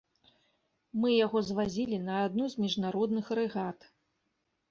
Мы яго звазілі на адну з міжнародных рэгат.